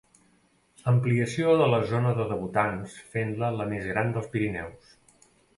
Ampliació de la zona de debutants fent-la la més gran dels Pirineus.